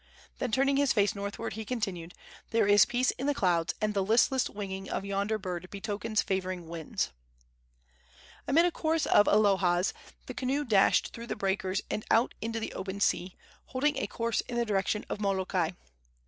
Then turning his face northward, he continued: "There is peace in the clouds, and the listless winging of yonder bird betokens favoring winds." Amid a chorus of alohas! the canoe dashed through the breakers and out into the open sea, holding a course in the direction of Molokai.